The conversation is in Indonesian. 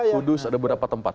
kudus ada beberapa tempat